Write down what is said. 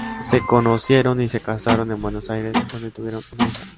Se conocieron y se casaron en Buenos Aires, donde tuvieron una hija.